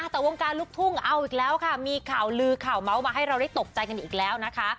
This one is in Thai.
แต่วงการลูกทุ่งเอาอีกแล้วค่ะมีข่าวลือข่าวเมาส์มาให้เราได้ตกใจกันอีกแล้วนะคะ